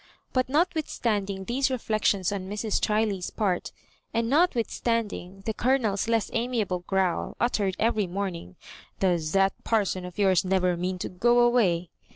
But not w ithstanding these reflections on Mrs. Chiley^s part, and notwithstanding the Coloners less amiable growl, uttered every morn ing — ''Does that parson of yours never mean to go away?"